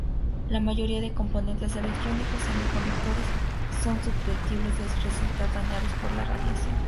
La mayoría de componentes electrónicos semiconductores son susceptibles de resultar dañados por la radiación.